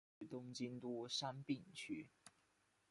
出身于东京都杉并区。